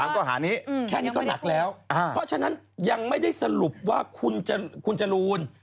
แค่นี้ก็หนักแล้วอ่าเพราะฉะนั้นยังไม่ได้สรุปว่าคุณคุณจรูน